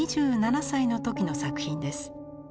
２７歳の時の作品です。